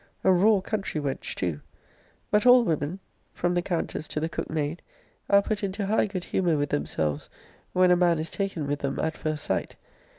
A raw country wench too. But all women, from the countess to the cook maid, are put into high good humour with themselves when a man is taken with them at first sight.